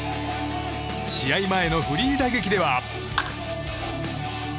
試合前のフリー打撃では。